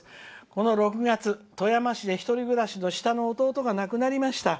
この６月、富山市で１人暮らしの下の弟が亡くなりました。